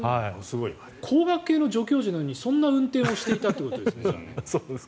工学系の助教授なのにそんな運転をしていたってことですね。